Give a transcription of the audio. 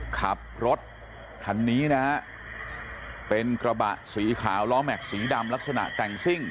ขับรถคันนี้นะฮะเป็นกระบะสีขาวล้อแม็กซ์สีดำลักษณะแต่งซิ่ง